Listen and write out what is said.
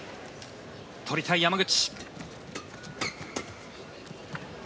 取りたい、山口。